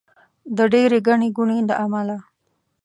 د ډېرې ګڼې ګوڼې له امله.